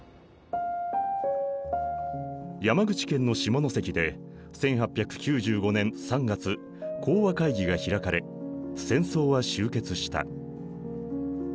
山口県の下関で１８９５年３月講和会議が開かれ戦争は終結した。